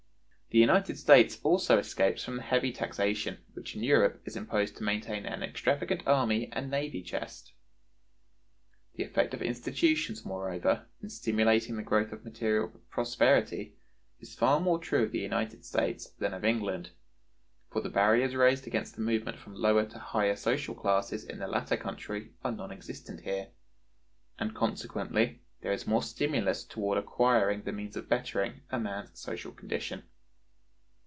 The United States also escapes from the heavy taxation which in Europe is imposed to maintain an extravagant army and navy chest. The effect of institutions, moreover, in stimulating the growth of material prosperity is far more true of the United States than of England, for the barriers raised against the movement from lower to higher social classes in the latter country are non existent here, and consequently there is more stimulus toward acquiring the means of bettering a man's social condition.